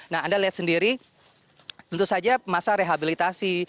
nah anda lihat sendiri tentu saja masa rehabilitasi